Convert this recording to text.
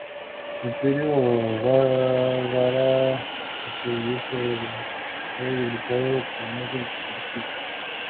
El Imperio Bambara sobrevivió pero fue debilitado de modo irreversible.